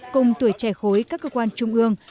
cùng tuổi trẻ khối các cơ quan trung ương